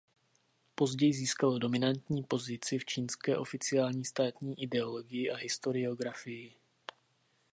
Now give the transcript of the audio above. Později získalo dominantní pozici v čínské oficiální státní ideologii a historiografii.